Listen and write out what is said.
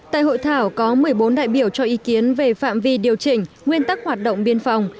tại hội thảo có một mươi bốn đại biểu cho ý kiến về phạm vi điều chỉnh nguyên tắc hoạt động biên phòng